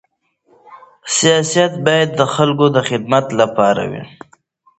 سیاست باید د خلکو د خدمت لپاره وي.